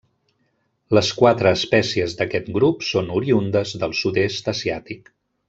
Les quatre espècies d'aquest grup són oriündes del sud-est asiàtic.